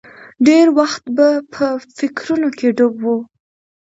ډېر وخت به په فکرونو کې ډوب و.